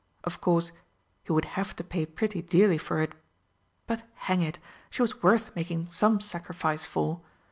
Of course he would have to pay pretty dearly for it but, hang it, she was worth making some sacrifice for!